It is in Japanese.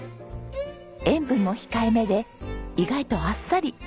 塩分も控えめで意外とあっさり。